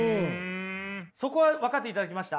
そこは分かっていただけました？